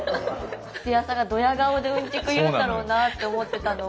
土屋さんがどや顔でうんちく言うんだろうなって思ってたのを。